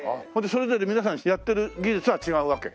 それぞれ皆さんやってる技術は違うわけ？